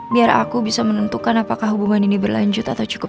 biar aku bisa menentukan apakah hubungan ini berlanjut atau cukup